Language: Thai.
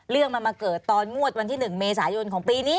เรื่องมันมาเกิดตอนงวดวันที่๑เมษายนของปีนี้